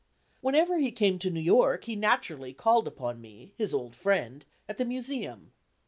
Whenever he came to New York he naturally called upon me, his old friend, at the Museum.